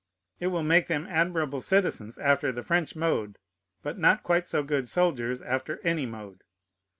It will make them admirable citizens after the French mode, but not quite so good soldiers after any mode.